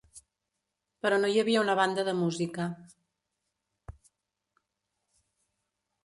Però no hi havia una banda de música.